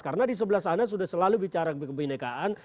karena di sebelah sana sudah selalu bicara kebenekaan